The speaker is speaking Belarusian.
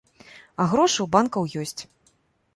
А грошы ў банкаў ёсць.